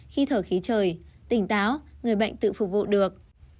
khi thở khí trời tỉnh táo người bệnh tự phục vụ được